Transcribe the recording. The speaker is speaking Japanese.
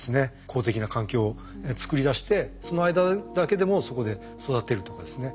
好適な環境を作り出してその間だけでもそこで育てるとかですね。